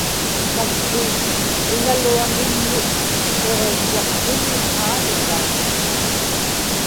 natchiit iŋaluaŋiññik niġiḷḷaktuni aarigaa